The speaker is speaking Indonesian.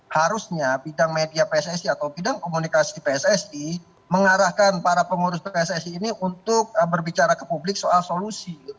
harusnya bidang media pssi atau bidang komunikasi pssi mengarahkan para pengurus pssi ini untuk berbicara ke publik soal solusi